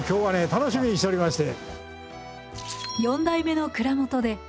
楽しみにしておりまして。